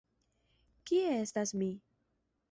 Kie estas mi?